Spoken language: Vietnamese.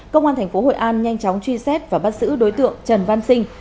công an tp hội an nhanh chóng truy xét và bắt giữ đối tượng trần văn sinh